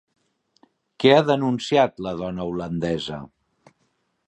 Què ha denunciat la dona holandesa?